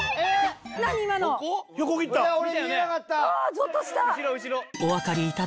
ぞっとした。